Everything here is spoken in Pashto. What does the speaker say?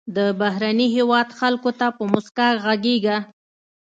د بهرني هېواد خلکو ته په موسکا غږیږه.